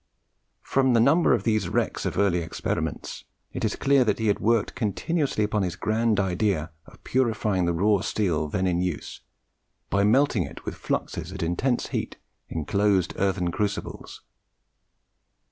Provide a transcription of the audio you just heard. From the number of these wrecks of early experiments, it is clear that he had worked continuously upon his grand idea of purifying the raw steel then in use, by melting it with fluxes at an intense heat in closed earthen crucibles.